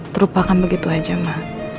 terlupakan begitu saja ma